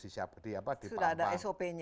disiapkan di pampang sudah ada sop nya